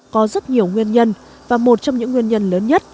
có rất nhiều nguyên nhân và một trong những nguyên nhân lớn nhất